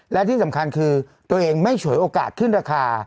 และที่สำคัญคือตัวเองไม่ฉวยโอกาสขึ้นราคา